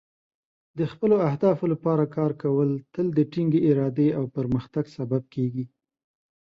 د خپلو اهدافو لپاره کار کول تل د ټینګې ارادې او پرمختګ سبب کیږي.